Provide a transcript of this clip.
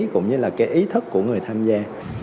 cũng như là cái ý thức của người tham gia